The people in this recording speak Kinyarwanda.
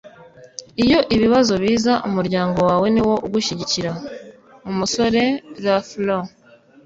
iyo ibibazo biza, umuryango wawe niwo ugushyigikira. - umusore lafleur